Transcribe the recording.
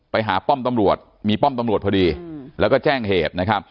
ไปหาป้อมตำรวจมีป้อมตำรวจพอดีแล้วก็แจ้งเหตุ